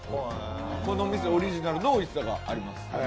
この店オリジナルのおいしさがあります。